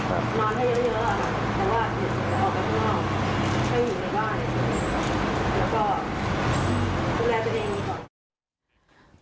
ดูแลตัวเองดีกว่า